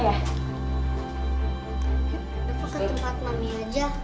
lupa ke tempat mami aja